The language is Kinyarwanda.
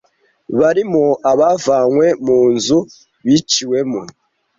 barimo abavanywe mu nzu biciwemo,